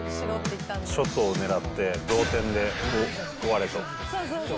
ショットを狙って同点で終われと。